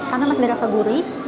karena masih ada rasa gurih